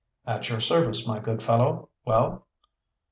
"At your service, my good fellow well?"